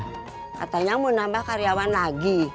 katanya mau nambah karyawan lagi